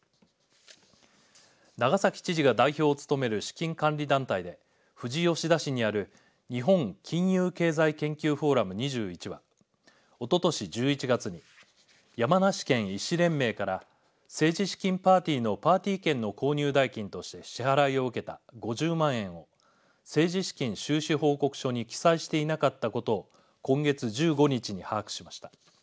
長崎知事が代表を務める資金管理団体で富士吉田市にある日本金融経済研究フォーラム２１はおととし１１月に山梨県医師連盟から政治資金パーティーのパーティー券の購入代金として支払いを受けた５０万円を政治資金収支報告書に記載していなかったことを今月１５日に把握しました。